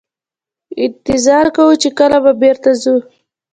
انتظار کوو چې کله به بیرته ځو.